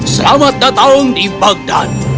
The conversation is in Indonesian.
selamat datang di bagdad